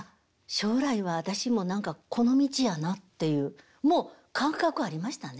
将来は私も何かこの道やなというもう感覚ありましたね。